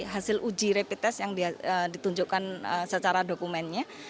hasil uji rapid test yang ditunjukkan secara dokumennya